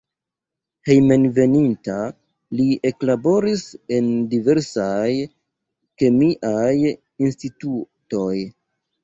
Hejmenveninta li eklaboris en diversaj kemiaj institutoj.